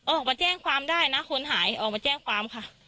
ออกมาแจ้งความได้นะคนหายออกมาแจ้งความค่ะ